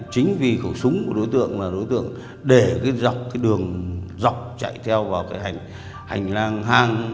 chính vì khẩu súng của đối tượng là đối tượng để đường dọc chạy theo vào hành lang hàng